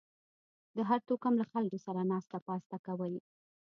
د هر توکم له خلکو سره ناسته پاسته کوئ